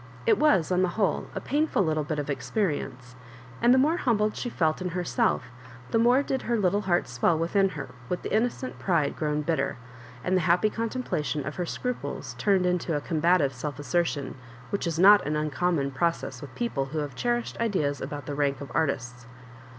It was, on the whole, a painful little bit of experience ; and the more humbled she felt in herself, the more did her little heart swell within her, with the inno cent pride grown bitter, and the &appy compla cency of her scruples turned into a combative self assertion,* which is not an uncommon pro cess with people who have cherished ideas about the rank of artists.